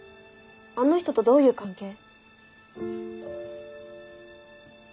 あの人とどういう関係？